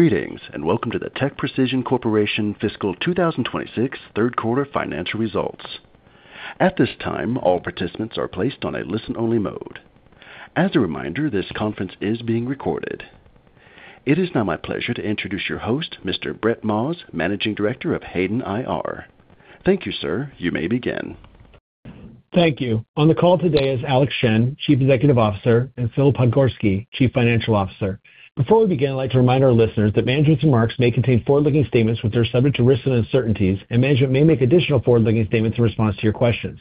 Greetings, and welcome to the TechPrecision Corporation Fiscal 2026 third quarter financial results. At this time, all participants are placed on a listen-only mode. As a reminder, this conference is being recorded. It is now my pleasure to introduce your host, Mr. Brett Maas, Managing Director of Hayden IR. Thank you, sir. You may begin. Thank you. On the call today is Alex Shen, Chief Executive Officer, and Phil Podgorski, Chief Financial Officer. Before we begin, I'd like to remind our listeners that management's remarks may contain forward-looking statements, which are subject to risks and uncertainties, and management may make additional forward-looking statements in response to your questions.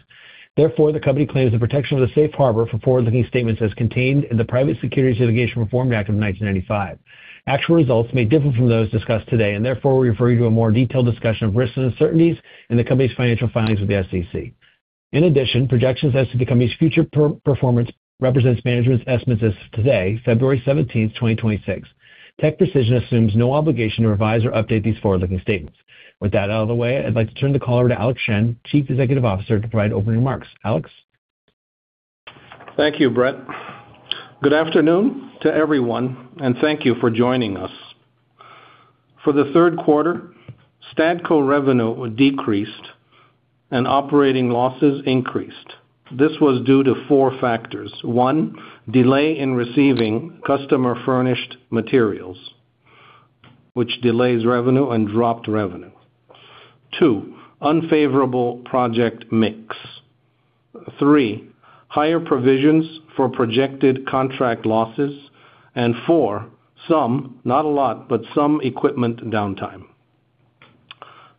Therefore, the company claims the protection of the safe harbor for forward-looking statements as contained in the Private Securities Litigation Reform Act of 1995. Actual results may differ from those discussed today, and therefore, we refer you to a more detailed discussion of risks and uncertainties in the company's financial filings with the SEC. In addition, projections as to the company's future performance represents management's estimates as of today, February seventeenth, 2026. TechPrecision assumes no obligation to revise or update these forward-looking statements. With that out of the way, I'd like to turn the call over to Alex Shen, Chief Executive Officer, to provide opening remarks. Alex? Thank you, Brett. Good afternoon to everyone, and thank you for joining us. For the third quarter, Stadco revenue decreased and operating losses increased. This was due to four factors. One, delay in receiving customer-furnished materials, which delays revenue and dropped revenue. Two, unfavorable project mix. Three, higher provisions for projected contract losses, and four, some, not a lot, but some equipment downtime.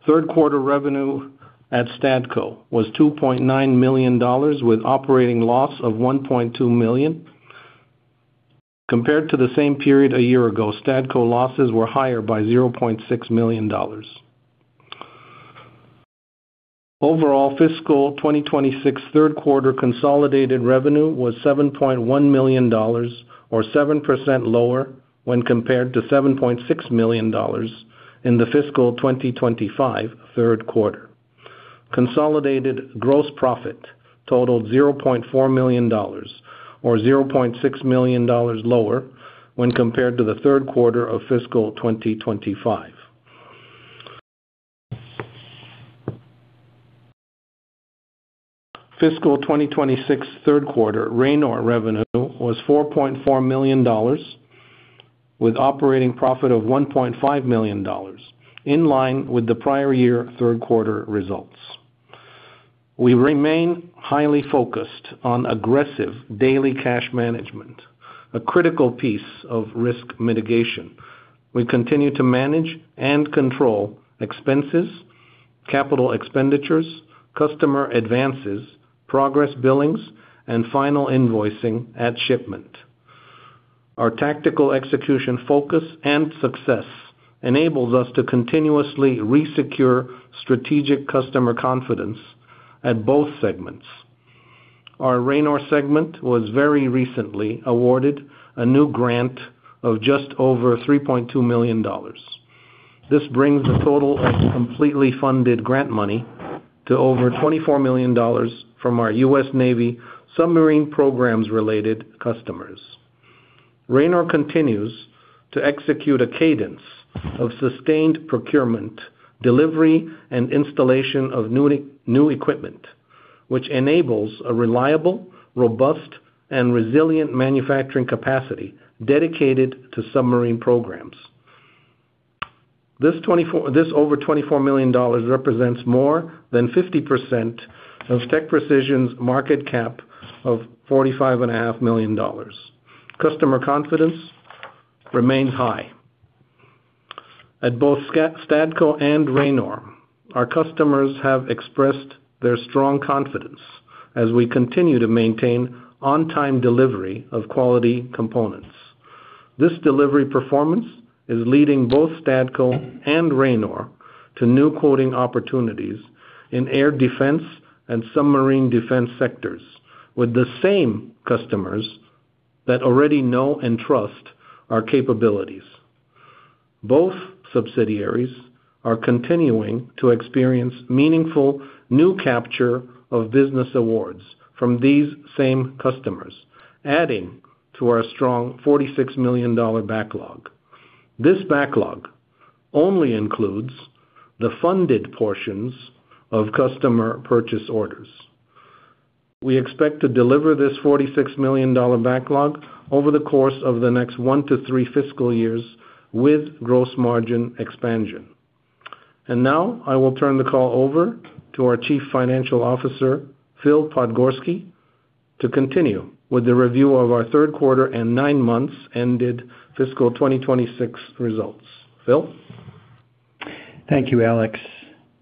Third quarter revenue at Stadco was $2.9 million, with operating loss of $1.2 million. Compared to the same period a year ago, Stadco losses were higher by $0.6 million. Overall, fiscal 2026 third quarter consolidated revenue was $7.1 million, or 7% lower when compared to $7.6 million in the fiscal 2025 third quarter. Consolidated gross profit totaled $0.4 million, or $0.6 million lower when compared to the third quarter of fiscal 2025. Fiscal 2026 third quarter, Ranor revenue was $4.4 million, with operating profit of $1.5 million, in line with the prior year third quarter results. We remain highly focused on aggressive daily cash management, a critical piece of risk mitigation. We continue to manage and control expenses, capital expenditures, customer advances, progress billings, and final invoicing at shipment. Our tactical execution focus and success enables us to continuously resecure strategic customer confidence at both segments. Our Ranor segment was very recently awarded a new grant of just over $3.2 million. This brings the total of completely funded grant money to over $24 million from our U.S. Navy submarine programs-related customers. Ranor continues to execute a cadence of sustained procurement, delivery, and installation of new equipment, which enables a reliable, robust, and resilient manufacturing capacity dedicated to submarine programs. This over $24 million represents more than 50% of TechPrecision's market cap of $45.5 million. Customer confidence remains high. At both Stadco and Ranor, our customers have expressed their strong confidence as we continue to maintain on-time delivery of quality components. This delivery performance is leading both Stadco and Ranor to new quoting opportunities in air defense and submarine defense sectors, with the same customers that already know and trust our capabilities. Both subsidiaries are continuing to experience meaningful new capture of business awards from these same customers, adding to our strong $46 million backlog. This backlog only includes the funded portions of customer purchase orders. We expect to deliver this $46 million backlog over the course of the next 1-3 fiscal years with gross margin expansion. Now I will turn the call over to our Chief Financial Officer, Phil Podgorski, to continue with the review of our third quarter and 9 months ended fiscal 2026 results. Phil? Thank you, Alex.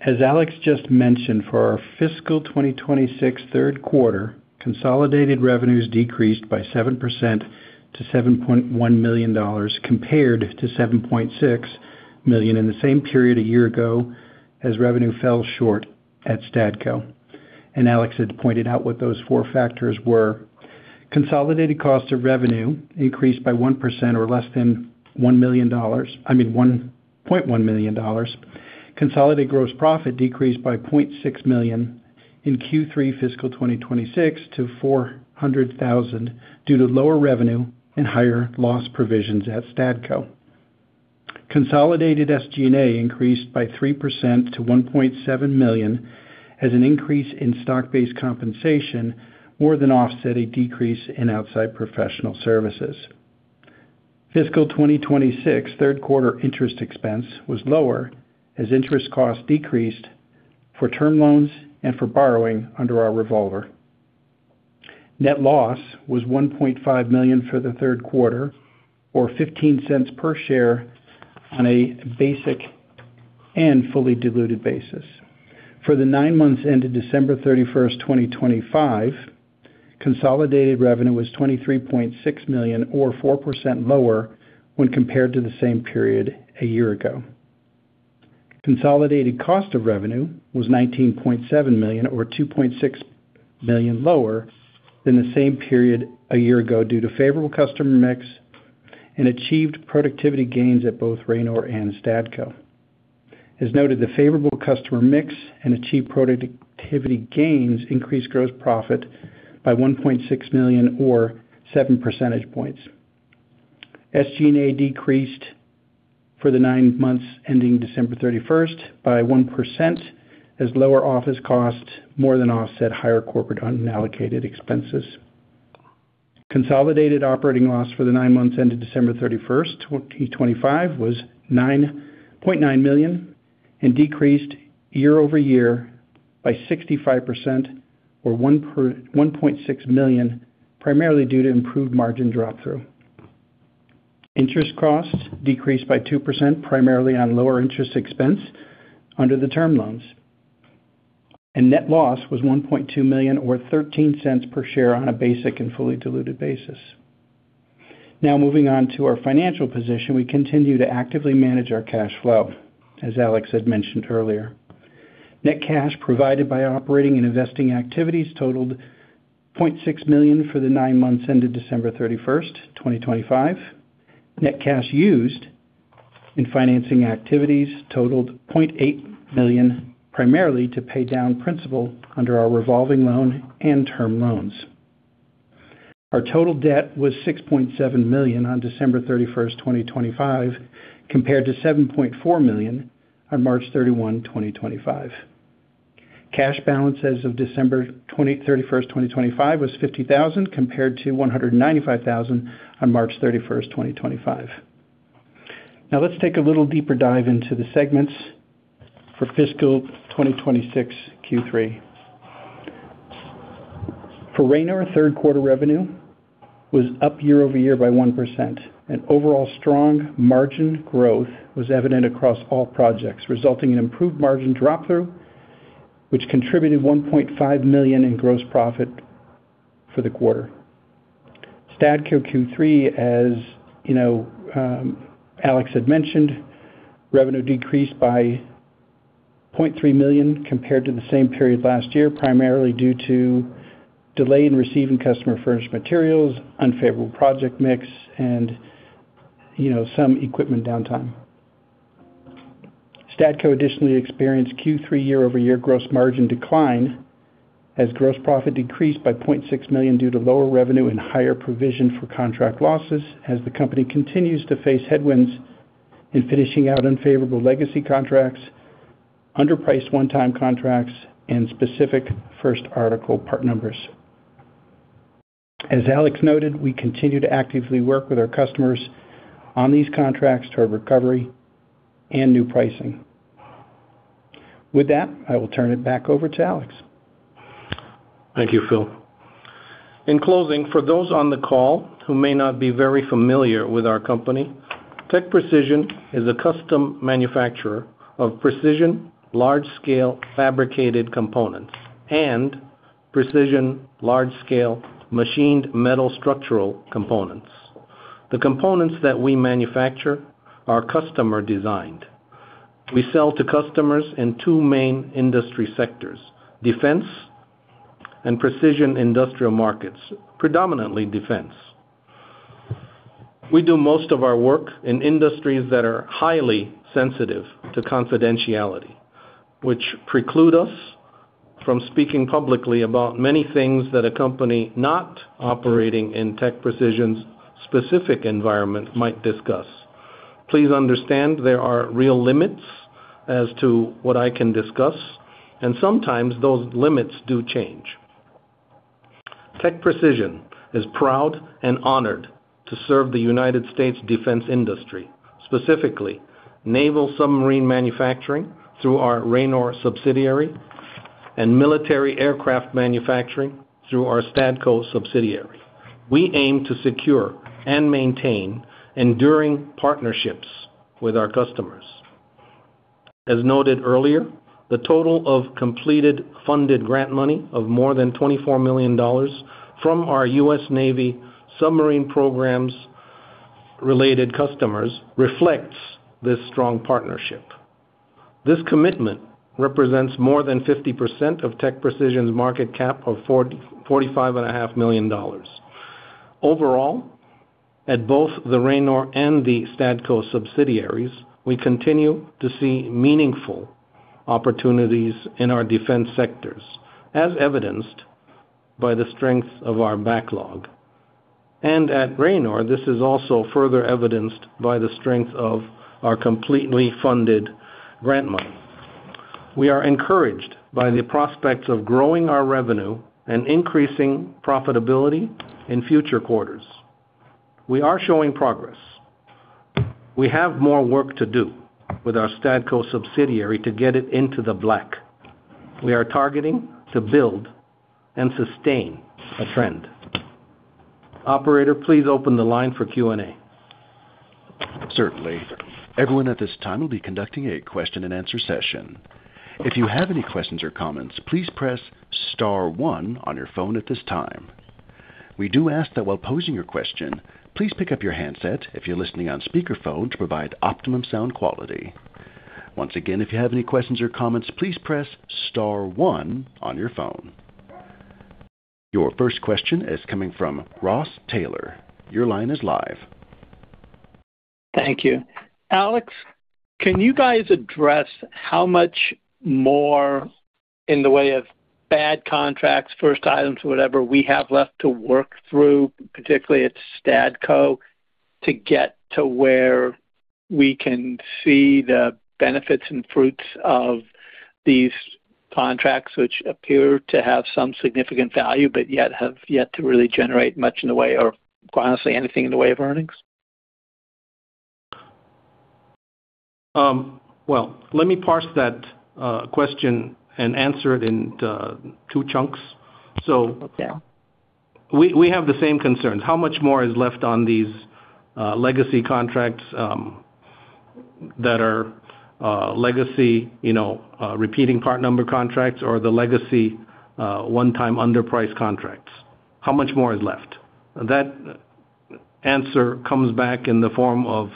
As Alex just mentioned, for our fiscal 2026 third quarter, consolidated revenues decreased by 7% to $7.1 million, compared to $7.6 million in the same period a year ago, as revenue fell short at Stadco. Alex had pointed out what those four factors were. Consolidated cost of revenue increased by 1% or less than $1 million—I mean, $1.1 million. Consolidated gross profit decreased by $0.6 million in Q3 fiscal 2026 to $400,000, due to lower revenue and higher loss provisions at Stadco. Consolidated SG&A increased by 3% to $1.7 million, as an increase in stock-based compensation more than offset a decrease in outside professional services. Fiscal 2026, third quarter interest expense was lower, as interest costs decreased for term loans and for borrowing under our revolver. Net loss was $1.5 million for the third quarter, or $0.15 per share on a basic and fully diluted basis. For the nine months ended December 31st, 2025, consolidated revenue was $23.6 million or 4% lower when compared to the same period a year ago. Consolidated cost of revenue was $19.7 million, or $2.6 million lower than the same period a year ago, due to favorable customer mix and achieved productivity gains at both Ranor and Stadco. As noted, the favorable customer mix and achieved productivity gains increased gross profit by $1.6 million or seven percentage points. SG&A decreased for the nine months, ending December 31st, by 1%, as lower office costs more than offset higher corporate unallocated expenses. Consolidated operating loss for the nine months ended December 31st, 2025, was $9.9 million and decreased year-over-year by 65% or $1.6 million, primarily due to improved margin drop-through. Interest costs decreased by 2%, primarily on lower interest expense under the term loans. Net loss was $1.2 million, or $0.13 per share on a basic and fully diluted basis. Now, moving on to our financial position. We continue to actively manage our cash flow, as Alex had mentioned earlier. Net cash provided by operating and investing activities totaled $0.6 million for the nine months ended December 31st, 2025. Net cash used in financing activities totaled $0.8 million, primarily to pay down principal under our revolving loan and term loans. Our total debt was $6.7 million on December 31st, 2025, compared to $7.4 million on March 31, 2025. Cash balance as of December 31st, 2025, was $50,000, compared to $195,000 on March 31st, 2025. Now, let's take a little deeper dive into the segments for fiscal 2026 Q3. For Ranor, third quarter revenue was up year over year by 1%, and overall strong margin growth was evident across all projects, resulting in improved margin drop-through, which contributed $1.5 million in gross profit for the quarter. Stadco Q3, as you know, Alex had mentioned, revenue decreased by $0.3 million compared to the same period last year, primarily due to delay in receiving customer furnished materials, unfavorable project mix, and, you know, some equipment downtime. Stadco additionally experienced Q3 year-over-year gross margin decline, as gross profit decreased by $0.6 million due to lower revenue and higher provision for contract losses, as the company continues to face headwinds in finishing out unfavorable legacy contracts, underpriced one-time contracts, and specific first article part numbers. As Alex noted, we continue to actively work with our customers on these contracts toward recovery and new pricing. With that, I will turn it back over to Alex. Thank you, Phil. In closing, for those on the call who may not be very familiar with our company, TechPrecision is a custom manufacturer of precision, large-scale fabricated components and precision, large-scale machined metal structural components. The components that we manufacture are customer-designed. We sell to customers in two main industry sectors: Defense and precision industrial markets, predominantly defense. We do most of our work in industries that are highly sensitive to confidentiality, which preclude us from speaking publicly about many things that a company not operating in TechPrecision's specific environment might discuss. Please understand there are real limits as to what I can discuss, and sometimes those limits do change. TechPrecision is proud and honored to serve the United States defense industry, specifically naval submarine manufacturing, through our Ranor subsidiary, and military aircraft manufacturing through our Stadco subsidiary. We aim to secure and maintain enduring partnerships with our customers. As noted earlier, the total of completed funded grant money of more than $24 million from our U.S. Navy submarine programs-related customers reflects this strong partnership. This commitment represents more than 50% of TechPrecision's market cap of $45.5 million....Overall, at both the Ranor and the Stadco subsidiaries, we continue to see meaningful opportunities in our defense sectors, as evidenced by the strength of our backlog. And at Ranor, this is also further evidenced by the strength of our completely funded grant money. We are encouraged by the prospects of growing our revenue and increasing profitability in future quarters. We are showing progress. We have more work to do with our Stadco subsidiary to get it into the black. We are targeting to build and sustain a trend. Operator, please open the line for Q&A. Certainly. Everyone at this time will be conducting a question-and-answer session. If you have any questions or comments, please press star one on your phone at this time. We do ask that while posing your question, please pick up your handset if you're listening on speakerphone, to provide optimum sound quality. Once again, if you have any questions or comments, please press star one on your phone. Your first question is coming from Ross Taylor. Your line is live. Thank you. Alex, can you guys address how much more in the way of bad contracts, first items, whatever, we have left to work through, particularly at Stadco, to get to where we can see the benefits and fruits of these contracts, which appear to have some significant value, but yet have yet to really generate much in the way, or quite honestly, anything in the way of earnings? Well, let me parse that question and answer it in two chunks. So- Okay. We have the same concern. How much more is left on these legacy contracts that are legacy, you know, repeating part number contracts or the legacy one-time underpriced contracts? How much more is left? That answer comes back in the form of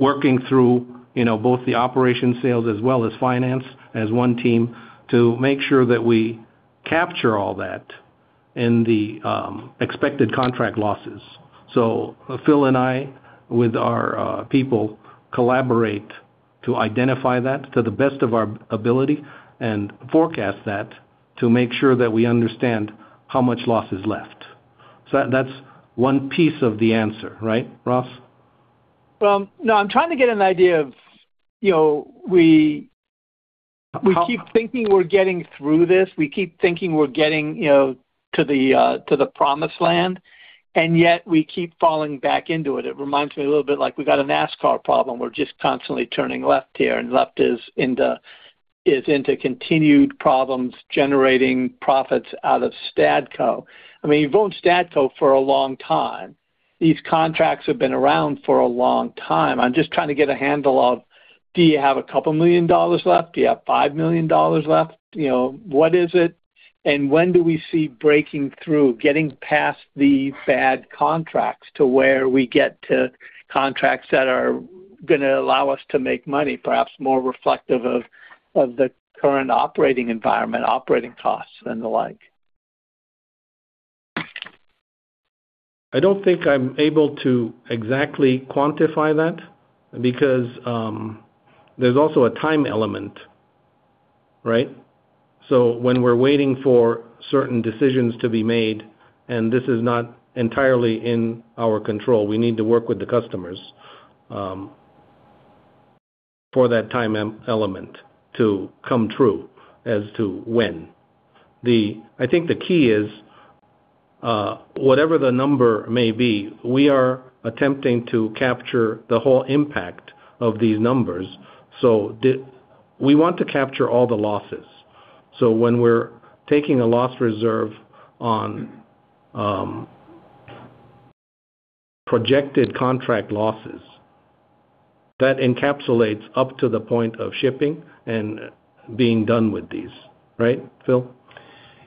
working through, you know, both the operation sales as well as finance, as one team, to make sure that we capture all that in the expected contract losses. So Phil and I, with our people, collaborate to identify that to the best of our ability and forecast that to make sure that we understand how much loss is left. So that's one piece of the answer, right, Ross? Well, no, I'm trying to get an idea of, you know, we, we keep thinking we're getting through this. We keep thinking we're getting, you know, to the, to the promised land, and yet we keep falling back into it. It reminds me a little bit like we got a NASCAR problem. We're just constantly turning left here, and left is into, is into continued problems, generating profits out of Stadco. I mean, you've owned Stadco for a long time. These contracts have been around for a long time. I'm just trying to get a handle of, do you have a couple million dollars left? Do you have $5 million left? You know, what is it? When do we see breaking through, getting past the bad contracts to where we get to contracts that are gonna allow us to make money, perhaps more reflective of, of the current operating environment, operating costs, and the like? I don't think I'm able to exactly quantify that because there's also a time element, right? So when we're waiting for certain decisions to be made, and this is not entirely in our control, we need to work with the customers for that time element to come true as to when. I think the key is whatever the number may be, we are attempting to capture the whole impact of these numbers, so we want to capture all the losses. So when we're taking a loss reserve on projected contract losses, that encapsulates up to the point of shipping and being done with these. Right, Phil?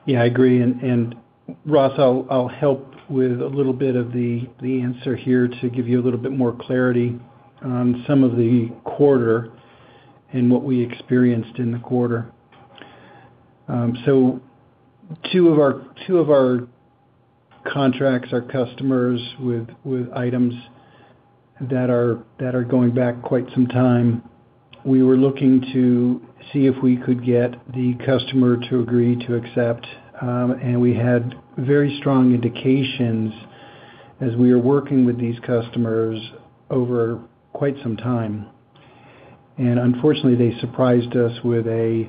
Yeah, I agree, and Ross, I'll help with a little bit of the answer here to give you a little bit more clarity on some of the quarter and what we experienced in the quarter. So two of our contracts, our customers with items that are going back quite some time, we were looking to see if we could get the customer to agree to accept, and we had very strong indications as we were working with these customers over quite some time. And unfortunately, they surprised us with a,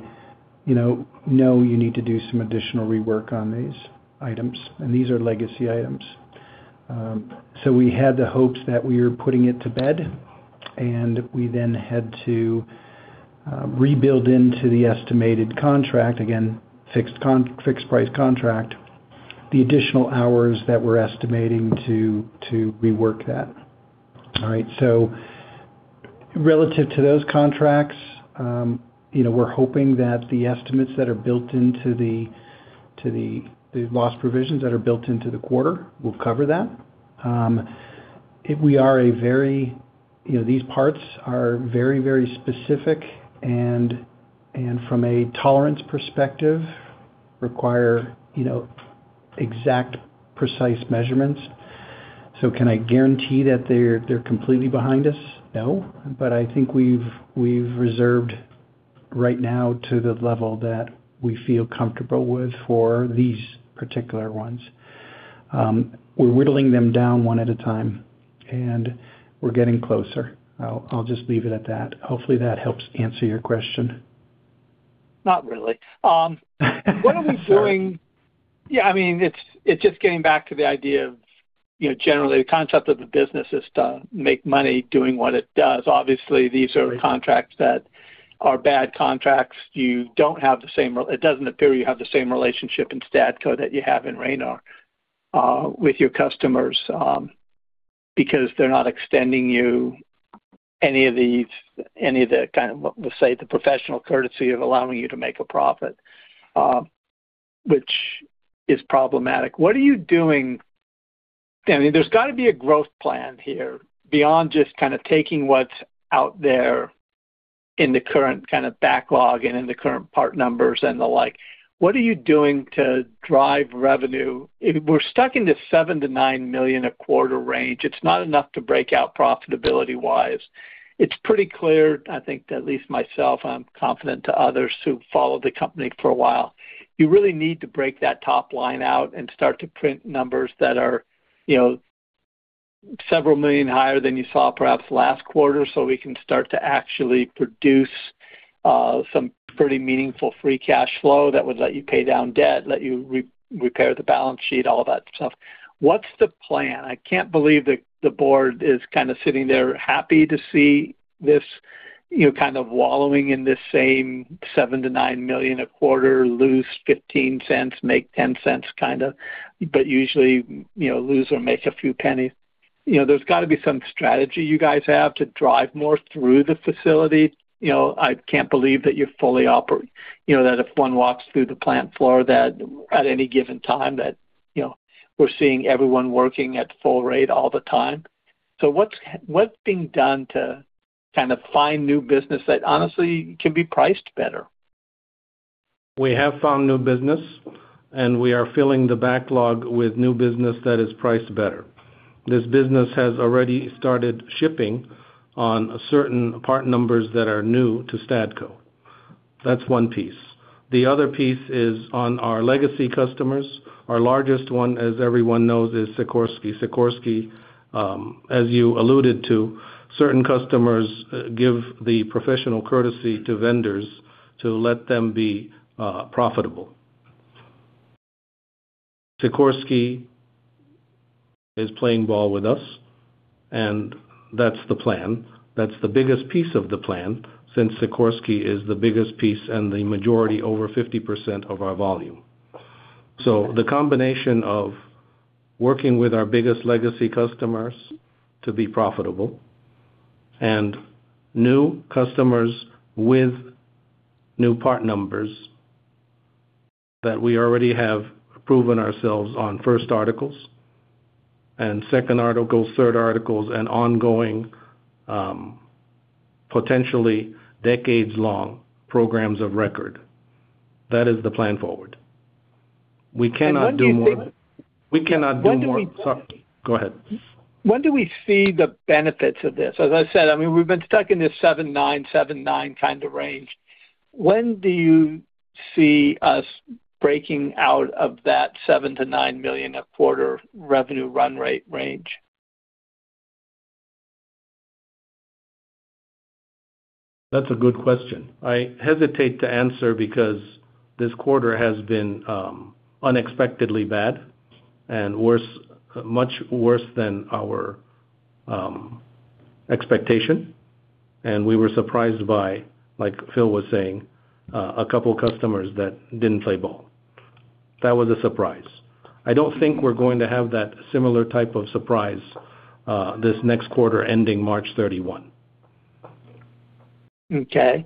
you know, "No, you need to do some additional rework on these items," and these are legacy items. So we had the hopes that we were putting it to bed, and we then had to rebuild into the estimated contract, again, fixed price contract, the additional hours that we're estimating to rework that. All right, so relative to those contracts, you know, we're hoping that the estimates that are built into the loss provisions that are built into the quarter will cover that. We are a very, you know, these parts are very, very specific, and from a tolerance perspective, require, you know, exact precise measurements. So can I guarantee that they're completely behind us? No, but I think we've reserved right now to the level that we feel comfortable with for these particular ones. We're whittling them down one at a time, and we're getting closer. I'll just leave it at that. Hopefully, that helps answer your question. Not really. What are we doing? Yeah, I mean, it's, it's just getting back to the idea of, you know, generally, the concept of the business is to make money doing what it does. Obviously, these are contracts that are bad contracts. You don't have the same, it doesn't appear you have the same relationship in Stadco that you have in Ranor with your customers, because they're not extending you any of these, any of the, kind of, let's say, the professional courtesy of allowing you to make a profit, which is problematic. What are you doing? I mean, there's got to be a growth plan here beyond just kind of taking what's out there in the current kind of backlog and in the current part numbers and the like. What are you doing to drive revenue? If we're stuck in this $7 million-$9 million a quarter range, it's not enough to break out profitability-wise. It's pretty clear, I think, at least myself, I'm confident to others who've followed the company for a while, you really need to break that top line out and start to print numbers that are, you know, several million higher than you saw perhaps last quarter, so we can start to actually produce some pretty meaningful free cash flow that would let you pay down debt, let you repair the balance sheet, all that stuff. What's the plan? I can't believe that the board is kind of sitting there happy to see this, you know, kind of wallowing in this same $7 million-$9 million a quarter, lose $0.15, make $0.10 kind of, but usually, you know, lose or make a few pennies. You know, there's got to be some strategy you guys have to drive more through the facility. You know, I can't believe that you're fully operational, you know, that if one walks through the plant floor, that, you know, we're seeing everyone working at full rate all the time. So what's being done to kind of find new business that honestly can be priced better? We have found new business, and we are filling the backlog with new business that is priced better. This business has already started shipping on certain part numbers that are new to Stadco. That's one piece. The other piece is on our legacy customers. Our largest one, as everyone knows, is Sikorsky. Sikorsky, as you alluded to, certain customers give the professional courtesy to vendors to let them be profitable. Sikorsky is playing ball with us, and that's the plan. That's the biggest piece of the plan, since Sikorsky is the biggest piece and the majority, over 50% of our volume. So the combination of working with our biggest legacy customers to be profitable and new customers with new part numbers that we already have proven ourselves on first articles and second articles, third articles, and ongoing potentially decades-long programs of record. That is the plan forward. We cannot do more- When do you think- We cannot do more- When do we- Sorry, go ahead. When do we see the benefits of this? As I said, I mean, we've been stuck in this 7, 9, 7, 9 kind of range. When do you see us breaking out of that $7 million-$9 million a quarter revenue run rate range? That's a good question. I hesitate to answer because this quarter has been unexpectedly bad and worse, much worse than our expectation. We were surprised by, like Phil was saying, a couple of customers that didn't play ball. That was a surprise. I don't think we're going to have that similar type of surprise, this next quarter, ending March 31. Okay.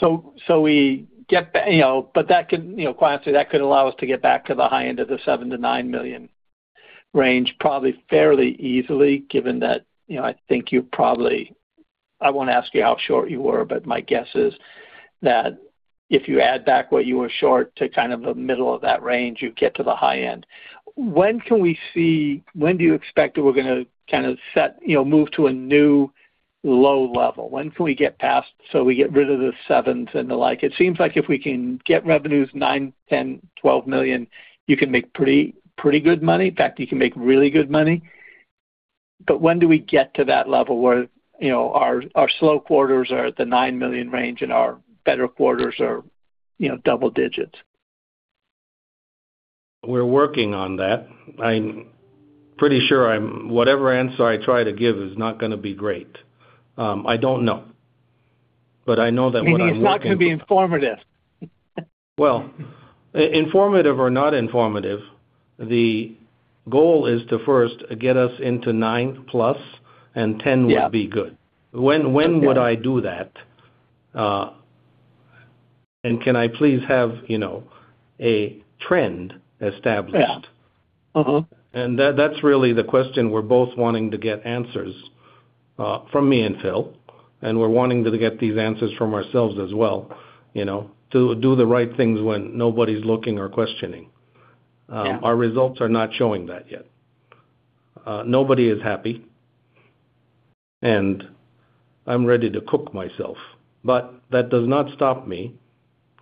So we get back, you know, but that can, you know, quietly, that could allow us to get back to the high end of the $7 million-$9 million range, probably fairly easily, given that, you know, I think you probably... I won't ask you how short you were, but my guess is that if you add back what you were short to kind of the middle of that range, you get to the high end. When can we see? When do you expect that we're going to kind of set, you know, move to a new low level? When can we get past so we get rid of the sevens and the like? It seems like if we can get revenues $9 million, $10 million, $12 million, you can make pretty, pretty good money. In fact, you can make really good money. When do we get to that level where, you know, our slow quarters are at the $9 million range and our better quarters are, you know, double digits? We're working on that. I'm pretty sure whatever answer I try to give is not gonna be great. I don't know, but I know that what I'm working- Meaning it's not going to be informative. Well, informative or not informative, the goal is to first get us into 9+, and 10- Yeah would be good. When, when would I do that? And can I please have, you know, a trend established? Yeah. Mm-hmm. And that, that's really the question we're both wanting to get answers from me and Phil, and we're wanting to get these answers from ourselves as well, you know, to do the right things when nobody's looking or questioning. Yeah. Our results are not showing that yet. Nobody is happy, and I'm ready to cook myself, but that does not stop me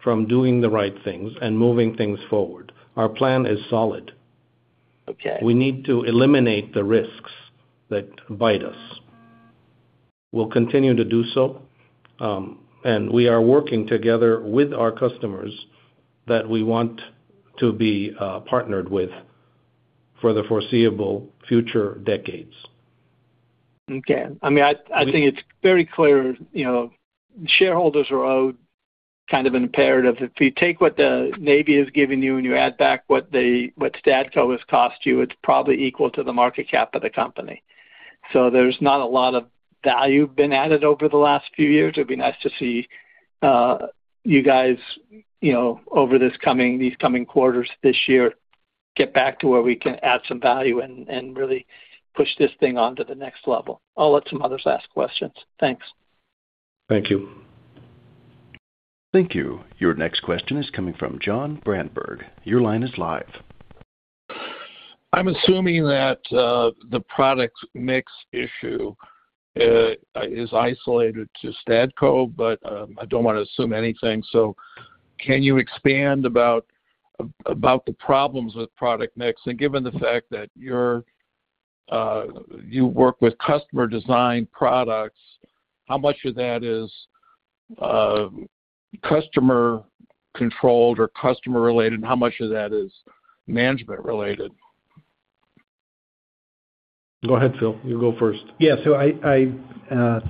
from doing the right things and moving things forward. Our plan is solid. Okay. We need to eliminate the risks that bite us. We'll continue to do so, and we are working together with our customers that we want to be, partnered with for the foreseeable future decades. Okay. I mean, I think it's very clear, you know, shareholders are out kind of imperative. If you take what the Navy has given you, and you add back what Stadco has cost you, it's probably equal to the market cap of the company. So there's not a lot of value been added over the last few years. It'd be nice to see, you guys, you know, over these coming quarters this year, get back to where we can add some value and really push this thing on to the next level. I'll let some others ask questions. Thanks. Thank you. Thank you. Your next question is coming from John Brandberg. Your line is live. I'm assuming that the product mix issue is isolated to Stadco, but I don't want to assume anything. So can you expand about the problems with product mix? And given the fact that you work with customer design products, how much of that is customer controlled or customer related, and how much of that is management related? Go ahead, Phil. You go first. Yeah. So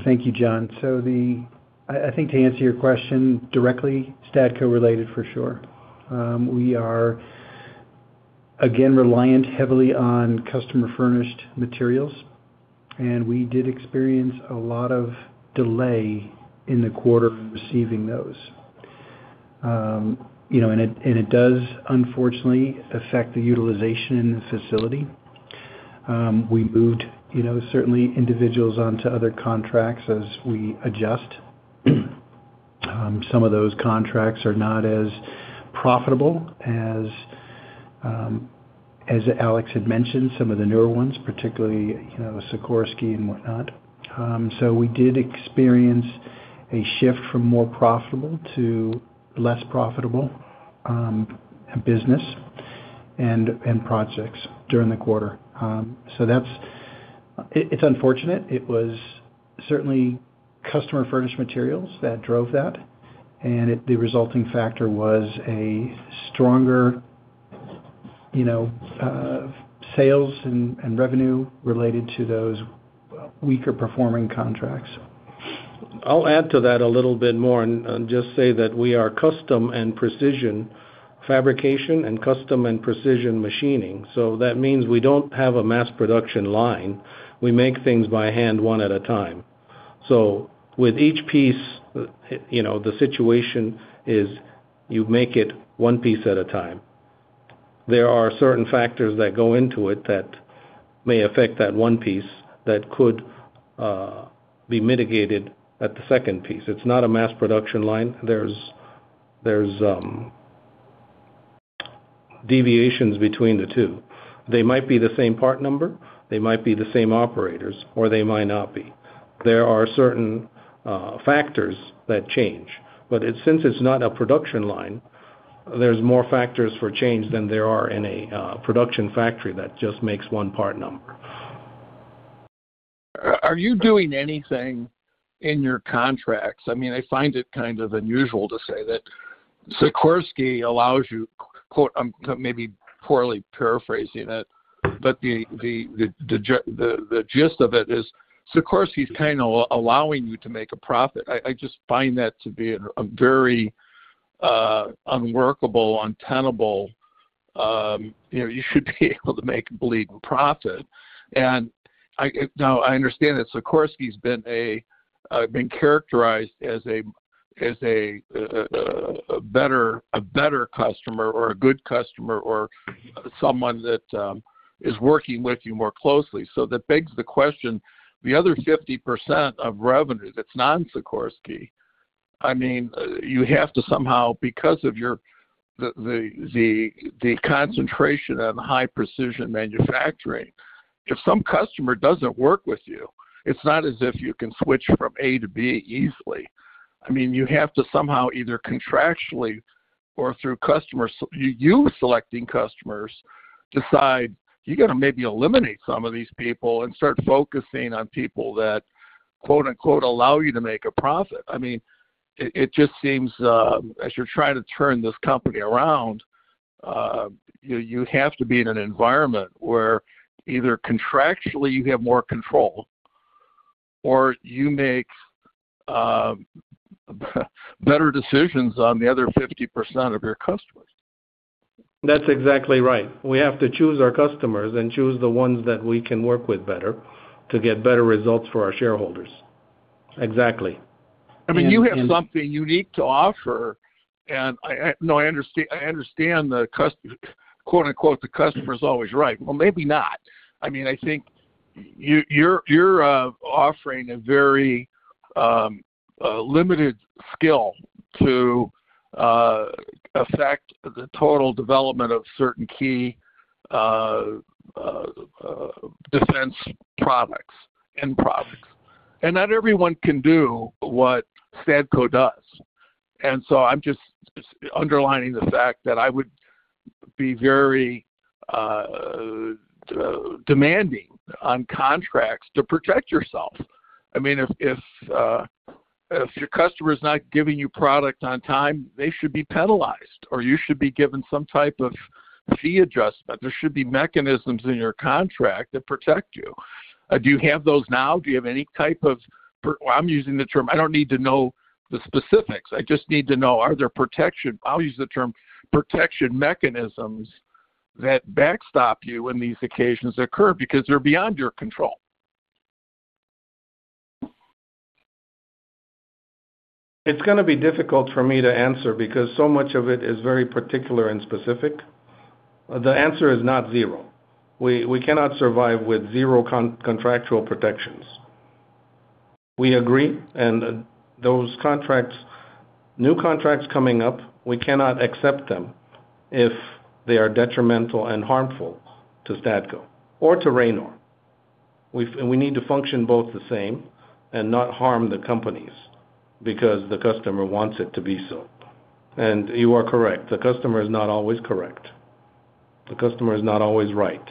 thank you, John. So I think to answer your question directly, Stadco related, for sure. We are, again, reliant heavily on customer furnished materials, and we did experience a lot of delay in the quarter from receiving those. You know, and it does, unfortunately, affect the utilization in the facility. We moved, you know, certainly individuals on to other contracts as we adjust. Some of those contracts are not as profitable as Alex had mentioned, some of the newer ones, particularly, you know, Sikorsky and whatnot. So we did experience a shift from more profitable to less profitable business and projects during the quarter. So that's... it's unfortunate. It was certainly customer-furnished materials that drove that, and it, the resulting factor was a stronger, you know, sales and revenue related to those weaker performing contracts. I'll add to that a little bit more and just say that we are custom and precision fabrication, and custom and precision machining. So that means we don't have a mass production line. We make things by hand, one at a time. So with each piece, you know, the situation is you make it one piece at a time. There are certain factors that go into it that may affect that one piece, that could be mitigated at the second piece. It's not a mass production line. There's deviations between the two. They might be the same part number, they might be the same operators, or they might not be. There are certain factors that change, but since it's not a production line, there's more factors for change than there are in a production factory that just makes one part number. Are you doing anything in your contracts? I mean, I find it kind of unusual to say that Sikorsky allows you, quote, maybe poorly paraphrasing it, but the gist of it is, Sikorsky is kind of allowing you to make a profit. I just find that to be a very unworkable, untenable, you know, you should be able to make a believe profit. And now, I understand that Sikorsky's been characterized as a better customer or a good customer or someone that is working with you more closely. So that begs the question, the other 50% of revenue that's non-Sikorsky, I mean, you have to somehow, because of your concentration on high precision manufacturing, if some customer doesn't work with you, it's not as if you can switch from A to B easily. I mean, you have to somehow, either contractually or through customers, you selecting customers, decide you got to maybe eliminate some of these people and start focusing on people that, quote, unquote, "allow you to make a profit." I mean, it just seems, as you're trying to turn this company around, you, you have to be in an environment where either contractually you have more control or you make, better decisions on the other 50% of your customers.... That's exactly right. We have to choose our customers and choose the ones that we can work with better to get better results for our shareholders. Exactly. I mean, you have something unique to offer, and no, I understand, I understand quote, unquote, "the customer is always right." Well, maybe not. I mean, I think you're offering a very limited skill to affect the total development of certain key defense products, end products. And not everyone can do what Stadco does. And so I'm just underlining the fact that I would be very demanding on contracts to protect yourself. I mean, if your customer is not giving you product on time, they should be penalized, or you should be given some type of fee adjustment. There should be mechanisms in your contract that protect you. Do you have those now? Do you have any type of... I'm using the term, I don't need to know the specifics. I just need to know, are there protection? I'll use the term protection mechanisms that backstop you when these occasions occur because they're beyond your control. It's gonna be difficult for me to answer because so much of it is very particular and specific. The answer is not zero. We cannot survive with zero contractual protections. We agree, and those contracts, new contracts coming up, we cannot accept them if they are detrimental and harmful to Stadco or to Ranor. We need to function both the same and not harm the companies because the customer wants it to be so. And you are correct, the customer is not always correct. The customer is not always right.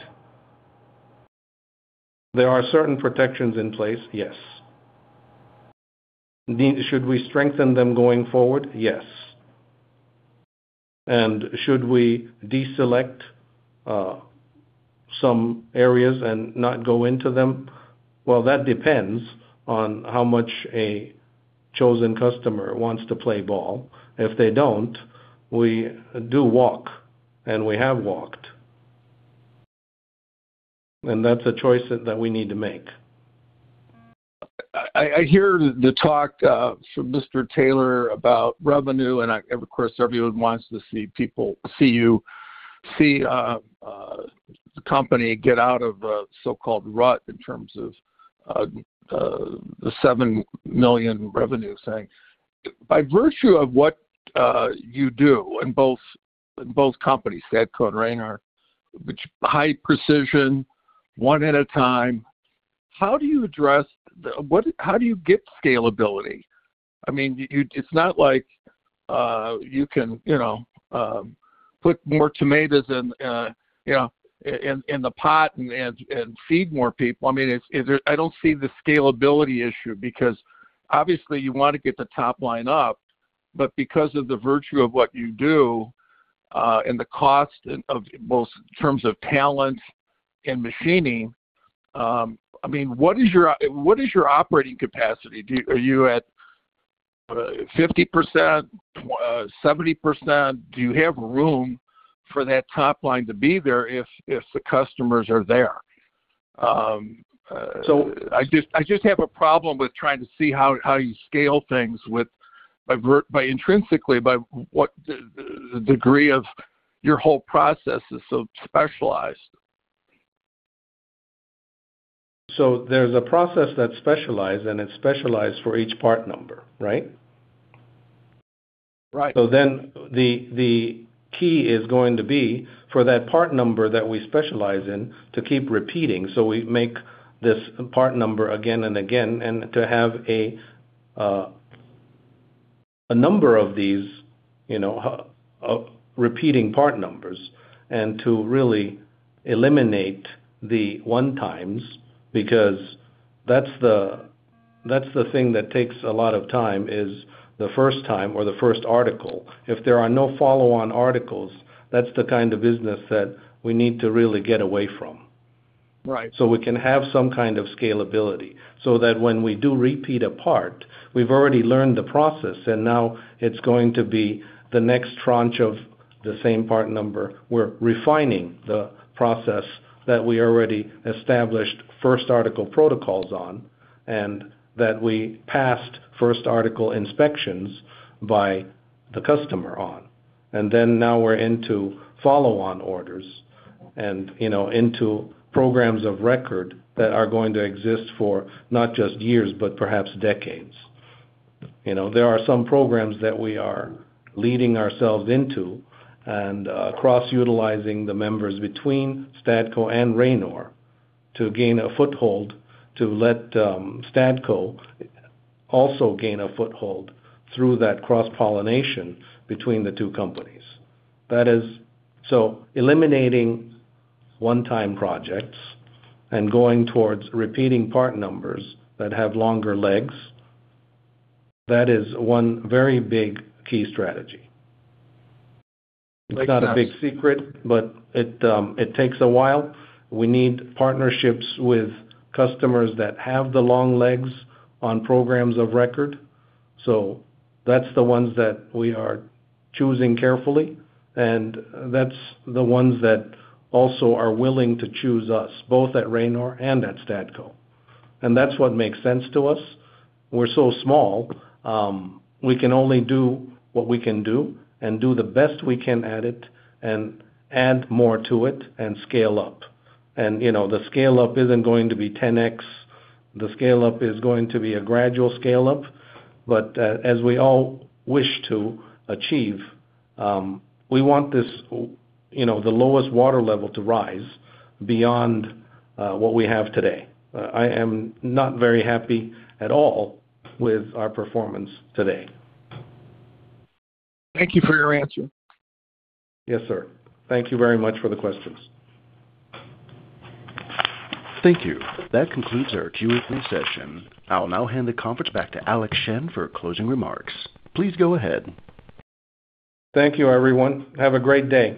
There are certain protections in place, yes. Should we strengthen them going forward? Yes. And should we deselect some areas and not go into them? Well, that depends on how much a chosen customer wants to play ball. If they don't, we do walk, and we have walked, and that's a choice that we need to make. I hear the talk from Mr. Taylor about revenue, and, of course, everyone wants to see people—see you, see, the company get out of a so-called rut in terms of the $7 million revenue thing. By virtue of what you do in both companies, Stadco and Ranor, which high precision, one at a time, how do you address the—what, how do you get scalability? I mean, you, it's not like you can, you know, put more tomatoes in, you know, in the pot and feed more people. I mean, is there—I don't see the scalability issue, because obviously, you want to get the top line up, but because of the virtue of what you do, and the cost of both terms of talent and machining, I mean, what is your operating capacity? Are you at 50%, 70%? Do you have room for that top line to be there if the customers are there? So I just have a problem with trying to see how you scale things with by virtue—by intrinsically, by what the degree of your whole process is so specialized. So there's a process that's specialized, and it's specialized for each part number, right? Right. So then the key is going to be for that part number that we specialize in to keep repeating. So we make this part number again and again, and to have a number of these, you know, repeating part numbers and to really eliminate the one times, because that's the thing that takes a lot of time, is the first time or the first article. If there are no follow-on articles, that's the kind of business that we need to really get away from. Right. So we can have some kind of scalability, so that when we do repeat a part, we've already learned the process, and now it's going to be the next tranche of the same part number. We're refining the process that we already established First article protocols on, and that we passed First article inspections by the customer on. And then now we're into follow-on orders and, you know, into programs of record that are going to exist for not just years, but perhaps decades. You know, there are some programs that we are leading ourselves into and, cross-utilizing the members between Stadco and Ranor to gain a foothold, to let, Stadco also gain a foothold through that cross-pollination between the two companies. That is, so eliminating one-time projects and going towards repeating part numbers that have longer legs, that is one very big key strategy. It's not a big secret, but it, it takes a while. We need partnerships with customers that have the long legs on programs of record, so that's the ones that we are choosing carefully, and that's the ones that also are willing to choose us, both at Ranor and at Stadco. And that's what makes sense to us. We're so small, we can only do what we can do and do the best we can at it and add more to it and scale up. And, you know, the scale-up isn't going to be 10x. The scale-up is going to be a gradual scale-up, but, as we all wish to achieve, we want this, you know, the lowest water level to rise beyond, what we have today. I am not very happy at all with our performance today. Thank you for your answer. Yes, sir. Thank you very much for the questions. Thank you. That concludes our Q&A session. I'll now hand the conference back to Alex Shen for closing remarks. Please go ahead. Thank you, everyone. Have a great day.